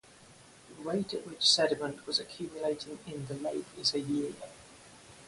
The rate at which sediment was accumulating in the lake is a year.